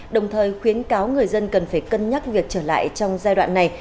đồng thời khuyến cáo người dân cần phải cân nhắc việc trở lại trong giai đoạn này